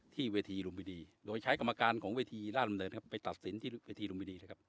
ที่เวทีลุมพินีโดยใช้กรรมการของเวทีราชดำเนินครับไปตัดสินที่เวทีลุมพินีเลยครับ